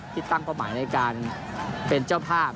ที่ตั้งเป้าหมายในการเป็นเจ้าภาพ